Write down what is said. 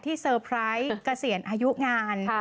เซอร์ไพรส์เกษียณอายุงาน